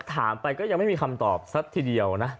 ถามไปก็ยังไม่มีคำตอบซะทีเดียวนะ